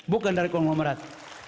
bukan dari konglomerat